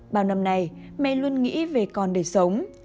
bao năm nay mẹ luôn nghĩ về con để sống